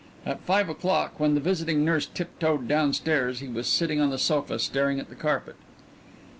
At five o'clock, when the visiting nurse tiptoed down stairs, he was sitting on the sofa staring at the carpet.